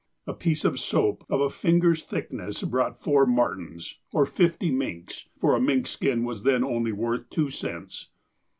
A piece of soap of a finger's thickness brought four martens, or fifty minks, for a mink skin was then only worth two cents.